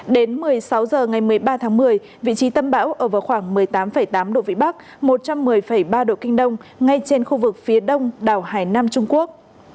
đến một mươi sáu h ngày một mươi ba tháng một mươi vị trí tâm bão ở vào khoảng một mươi tám tám độ vĩ bắc một trăm một mươi ba độ kinh đông ngay trên khu vực phía đông đảo hải nam trung quốc